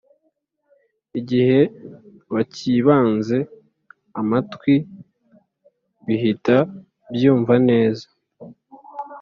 Igihe bakibanze amatwi bihita byumva neza